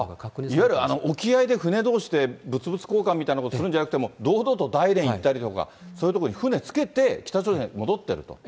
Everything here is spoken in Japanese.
いわゆる沖合で、船どうしで物々交換みたいなことをするんじゃなくて、もう堂々と大連行ったりとか、そういう所に船つけて、北朝鮮に戻ってると。